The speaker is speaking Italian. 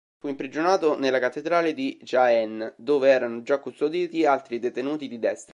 Fu imprigionato nella cattedrale di Jaén, dove erano già custoditi altri detenuti di destra.